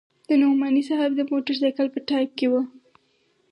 د نعماني صاحب د موټرسایکل په ټایپ کې وه.